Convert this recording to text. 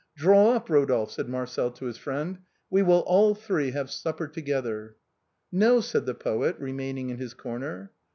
" Draw up, Rodolphe," said Marcel to his friend, " we will all three have supper together." " No," said the poet remaining in his corner.